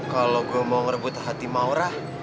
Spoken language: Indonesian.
kalau gue mau ngerebut hati maura